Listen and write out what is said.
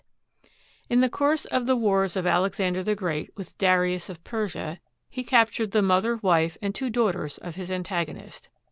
i588) In the course of the wars of Alexander the Great with Darius of Persia, he captured the mother, wife, and two daughters of his antagonist.